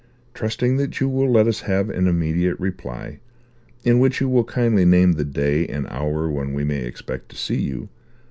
Trusting that you will let us have an immediate reply, in which you will kindly name the day and hour when we may expect to see you.